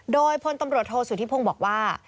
โดยพลตำรวจโทษสุธิพงศ์บอกว่า